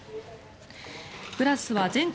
グラスは全国